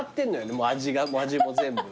もう味が味も全部。